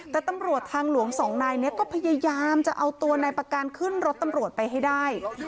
แต่ตำรวจทางหลวงสองนายนี้ก็พยายามจะเอาตัวนายประการขึ้นรถตำรวจไปให้ได้